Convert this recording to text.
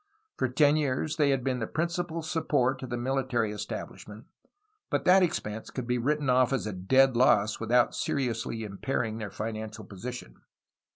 For ten years they had been the principal support of the militaiy establishment, but that expense could be written off as a dead loss without seriously impairing their financial position.